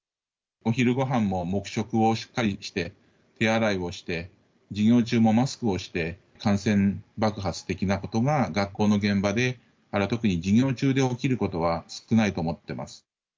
お昼ごはんも黙食をしっかりして、手洗いをして、授業中もマスクをして、感染爆発的なことが学校の現場で、特に授業中で起きることは少ないと思ってます。